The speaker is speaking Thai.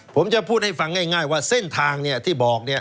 ผมจะพูดให้ฟังง่ายว่าเส้นทางที่บอก